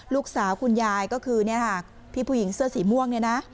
ลูกสาวคุณยายก็คือพี่ผู้หญิงเสื้อสีม่วงนะ